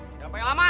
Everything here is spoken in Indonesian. jangan pengen lama